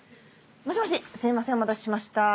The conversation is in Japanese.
もしもしすいませんお待たせしました。